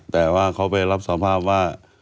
แต่ว่าเขาไปรับสภาพว่า